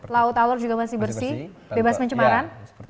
laut alor juga masih bersih bebas mencemaran